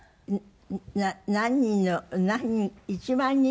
何人の１万人？